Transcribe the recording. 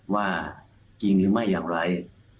ว่าจริงหรือไม่อย่างไร